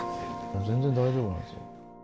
全然大丈夫なんです。